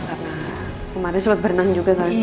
karena kemarin sempat berenang juga kali